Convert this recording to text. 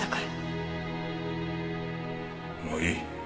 もういい。